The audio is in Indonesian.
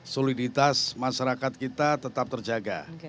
soliditas masyarakat kita tetap terjaga